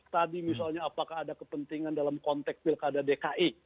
tadi misalnya apakah ada kepentingan dalam konteks pilkada dki